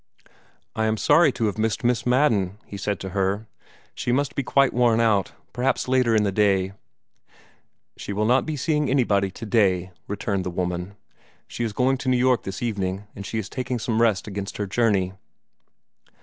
"I am sorry to have missed Miss Madden," he said to her. "She must be quite worn out. Perhaps later in the day " "She will not be seeing anybody today," returned the woman. "She is going to New York this evening, and she is taking some rest against the journey."